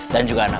dan juga anak anak